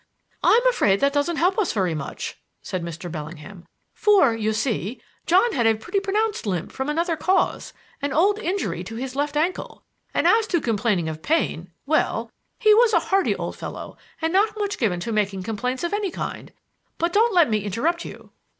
"I'm afraid that doesn't help us very much," said Mr. Bellingham; "for, you see, John had a pretty pronounced limp from another cause, an old injury to his left ankle; and as to complaining of pain well, he was a hardy old fellow and not much given to making complaints of any kind. But don't let me interrupt you."